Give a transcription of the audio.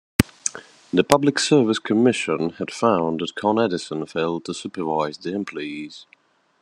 The Public Service Commission had found that Con Edison failed to supervise the employees.